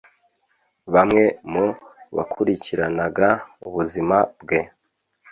Bamwe mu bakurikiranaga ubuzima bwe